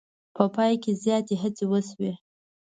په پای کې زیاتې هڅې وشوې.